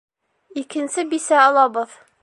Икенсе бисә алабыҙ!